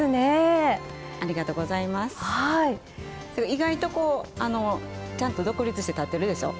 意外とこうあのちゃんと独立して立ってるでしょ？